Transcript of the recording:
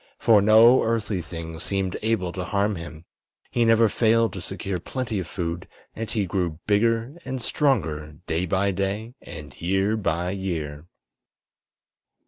For no earthly thing seemed able to harm him; he never failed to secure plenty of food, and he grew bigger and stronger day by day and year by year.